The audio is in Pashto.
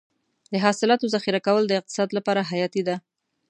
د حاصلاتو ذخیره کول د اقتصاد لپاره حیاتي دي.